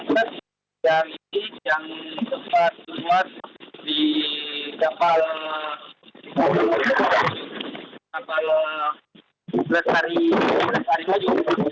tapi itu banyaknya potaset yang ini yang cepat keluar di kapal setari maju